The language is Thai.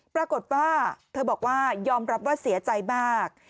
ปรากฏว่าเธอบอกว่ายอมรับว่าเสียใจมาก